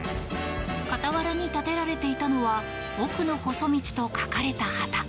傍らに立てられていたのは億の細道と書かれた旗。